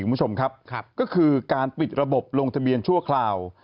คุณผู้ชมครับก็คือการปิดระบบลงทะเบียนชั่วคราว